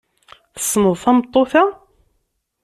Tessneḍ tameṭṭut-a?